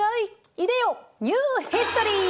いでよニューヒストリー！